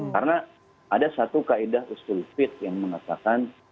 karena ada satu kaedah usul fiqh yang mengatakan